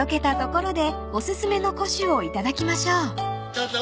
どうぞ。